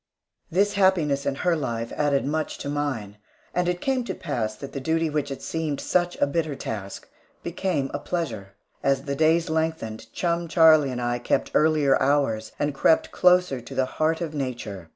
This happiness in her life added much to mine, and it came to pass that the duty which had seemed such a bitter task, became a pleasure. As the days lengthened, chum Charlie and I kept earlier hours, and crept closer to the heart of nature.